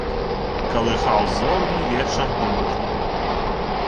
Калыхаў зорны вечар думкі.